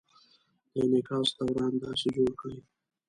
د انعکاس دوران داسې جوړ کړئ: